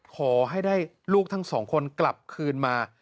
ขอให้ได้ลูกทั้งสองคนกลับคืนมา